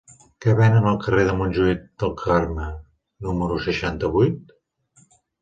Què venen al carrer de Montjuïc del Carme número seixanta-vuit?